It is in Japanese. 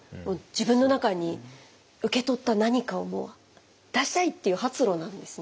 自分の中に受け取った何かをもう出したい！っていう発露なんですね。